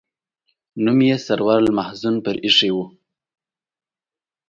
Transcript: نوم یې سرور المحزون پر ایښی و.